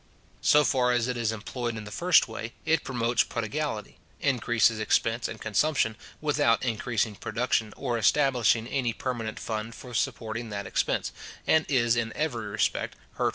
So far as it is employed in the first way, it promotes prodigality, increases expense and consumption, without increasing production, or establishing any permanent fund for supporting that expense, and is in every respect hurtful to the society.